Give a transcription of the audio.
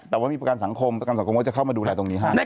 แต่ว่ามีประกันสังคมประกันสังคมก็จะเข้ามาดูแลตรงนี้ให้